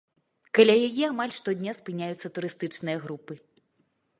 Каля яе амаль штодня спыняюцца турыстычныя групы.